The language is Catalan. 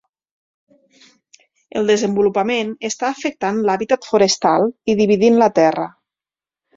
El desenvolupament està afectant l'hàbitat forestal i dividint la terra.